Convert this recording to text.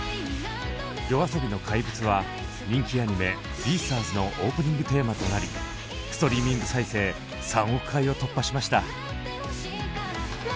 ＹＯＡＳＯＢＩの「怪物」は人気アニメ「ＢＥＡＳＴＡＲＳ」のオープニングテーマとなりストリーミング再生３億回を突破しました。